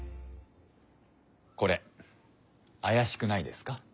これあやしくないですか？